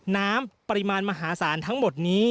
น้ำปริมาณมหาศาลทั้งหมดนี้